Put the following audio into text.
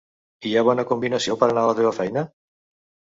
Hi ha bona combinació per anar a la teva feina?